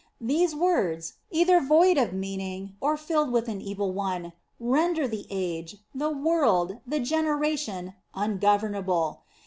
These words, either void of meaning, or filled with an evil one, render the age, the world, the generation, ungovern able.